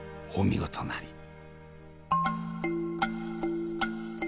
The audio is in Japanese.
お見事なり。